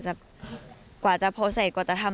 จะทำธุรกิจด้วย